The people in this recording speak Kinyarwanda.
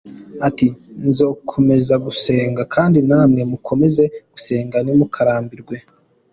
Ati : “Nzakokomeza gusenga kandi namwe mukomeze gusenga ntimukarambirwe.